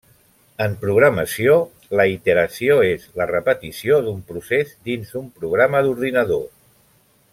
En programació, la iteració és la repetició d'un procés dins d'un programa d'ordinador.